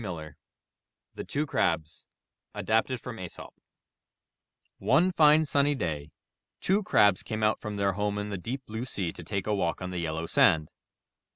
»g^^ ^ THE TWO CRABS Adapted from Aesop One fine, sunny day two Crabs came out from their home in the deep blue sea to take a walk on the yellow sand.